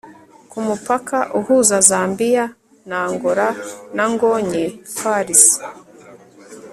ku mupaka uhuza zambiya na angola, na ngonye falls